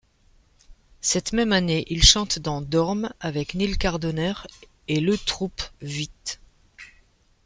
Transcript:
Cette même année, il chante dans Dorm avec Nil Cardoner et le troupe Vuit.